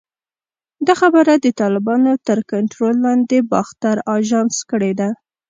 دا خبره د طالبانو تر کنټرول لاندې باختر اژانس کړې ده